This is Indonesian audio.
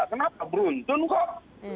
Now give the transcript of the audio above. kenapa beruntung kok